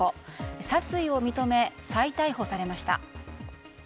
殺意を認め、再逮捕されました。